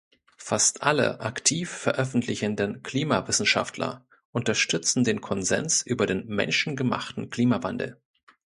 Fast alle aktiv veröffentlichenden Klimawissenschaftler unterstützen den Konsens über den menschengemachten Klimawandel.